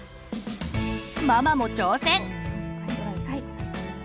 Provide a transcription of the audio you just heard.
ママも挑戦！